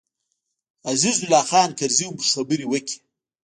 عزیز الله خان کرزي هم خبرې وکړې.